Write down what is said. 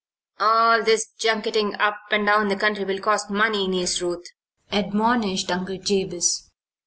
"All this junketing up and down the country will cost money, Niece Ruth," admonished Uncle Jabez.